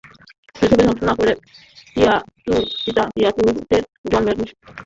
পৃথিবী ধ্বংস না করে তিয়ামুতের জন্মানোর নিশ্চয়ই কোনো পথ আছে।